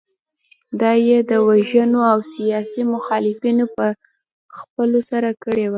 دا یې د وژنو او سیاسي مخالفینو په ځپلو سره کړې وه.